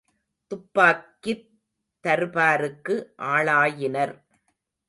துப்பாக்கித் தர்பாருக்கு ஆளாயினர்.